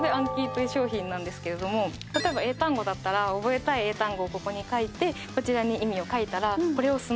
という商品なんですけれども例えば英単語だったら覚えたい英単語をここに書いてこちらに意味を書いたらこれをえ！